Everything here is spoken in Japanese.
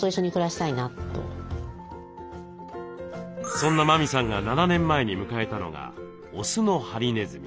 そんな麻美さんが７年前に迎えたのがオスのハリネズミ。